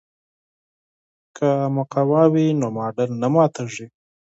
که مقوا وي نو ماډل نه ماتیږي.